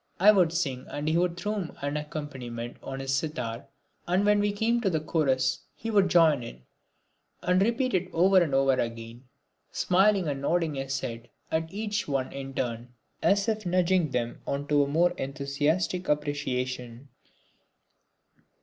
I would sing and he would thrum an accompaniment on his sitar and when we came to the chorus he would join in, and repeat it over and over again, smiling and nodding his head at each one in turn, as if nudging them on to a more enthusiastic appreciation.